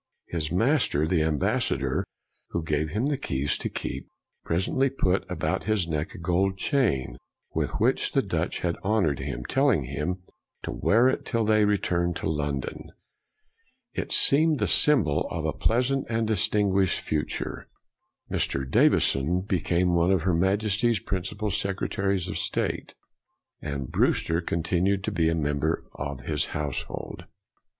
His master, the ambassador, who gave him the keys to keep, presently put about his neck a gold chain with which the Dutch had honored him, telling him to wear it till they returned to London. BREWSTER 193 It seemed the symbol of a pleasant and distinguished future. Mr. Davison be came one of Her Majesty's principal Sec retaries of State, and Brewster continued to be a member of his household.